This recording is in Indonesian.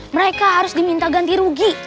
mereka harus diminta ganti rugi